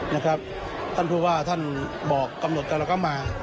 นะครับท่านผู้ว่าท่านบอกกำหนดกันแล้วก็มา